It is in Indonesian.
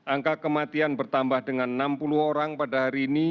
angka kematian bertambah dengan enam puluh orang pada hari ini